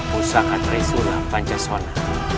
pusaka trisula pancaswana